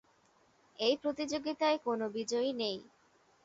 এই প্রতিযোগিতায় কোন বিজয়ী নেই।